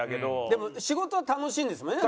でも仕事は楽しいんですもんね？